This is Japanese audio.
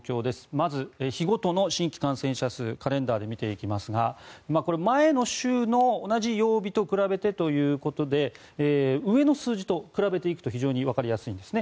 まず日ごとの新規感染者数カレンダーで見ていきますが前の週の同じ曜日と比べてということで上の数字と比べていくと非常にわかりやすいんですね。